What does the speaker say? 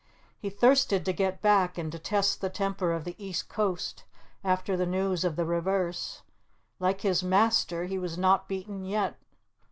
He thirsted to get back, and to test the temper of the east coast after the news of the reverse; like his master, he was not beaten yet.